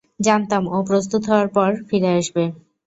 জানতাম, ও প্রস্তুত হওয়ার পর ফিরে আসবে।